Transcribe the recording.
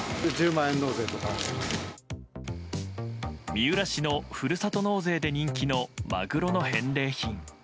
三浦市のふるさと納税で人気のマグロの返礼品。